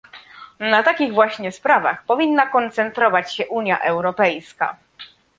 Na takich właśnie sprawach powinna koncentrować się Unia Europejska